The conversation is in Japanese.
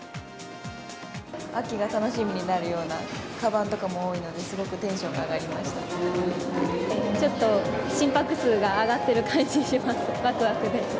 秋が楽しみになるようなかばんとかも多いので、すごくテンシちょっと心拍数が上がってる感じがします。